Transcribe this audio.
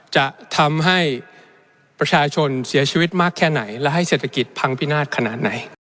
จะทำให้ประชาชนเสียชีวิตมากแค่ไหนและให้เศรษฐกิจพังพินาศขนาดไหน